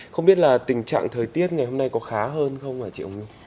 không biết là tình trạng thời tiết ngày hôm nay có khá hơn không hả chị hồng nhung